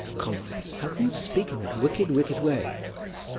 "Conway, how can you speak in that wicked, wicked way!"